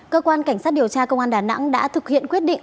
cơ quan cảnh sát điều tra công an đà nẵng đã thực hiện quyết định